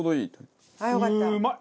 うまい！